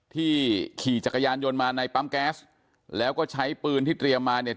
ขี่จักรยานยนต์มาในปั๊มแก๊สแล้วก็ใช้ปืนที่เตรียมมาเนี่ย